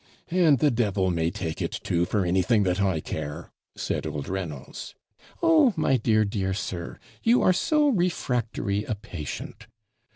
'And the devil may take it too, for anything that I care,' said old Reynolds. 'Oh, my dear, dear sir! you are so refractory a patient.'